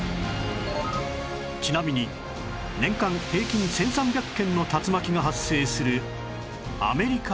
ちなみに年間平均１３００件の竜巻が発生するアメリカでは